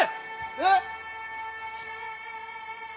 えっ？